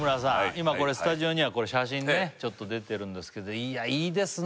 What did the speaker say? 今これスタジオには写真ねちょっと出てるんですけどいやいいですね